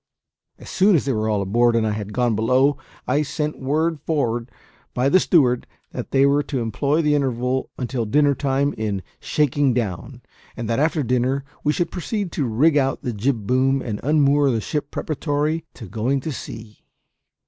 As soon as they were all aboard and had gone below, I sent word for'ard by the steward that they were to employ the interval until dinner time in "shaking down," and that after dinner we should proceed to rig out the jib boom and unmoor the ship preparatory to going to sea.